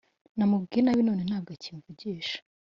namubwiye nabi none ntabwo akimvugisha